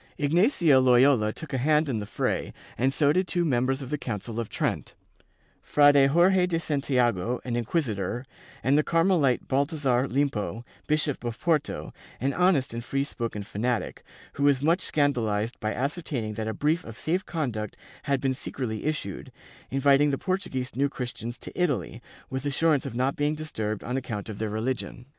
Ignatius Loyola took a hand in the fray and so did two members of the Council of Trent, Frade Jorje de Santiago, an inquisitor, and the Carmelite Balthazar Limpo, Bishop of Porto, an honest and free spoken fanatic, who was much scandalized by ascertaining that a brief of safe conduct had been secretly issued, inviting the Portuguese New Christians to Italy, with assurance of not being disturbed on account of their religion.